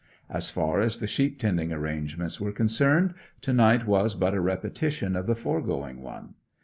As far as the sheep tending arrangements were concerned, to night was but a repetition of the foregoing one.